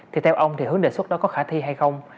thì theo ông thì hướng đề xuất đó có khả năng